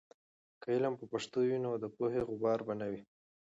که علم په پښتو وي، نو د پوهې غبار به نه وي.